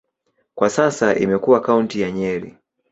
Kwa sasa imekuwa kaunti ya Nyeri.